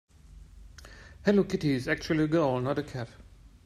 Hello Kitty is actually a girl, not a cat.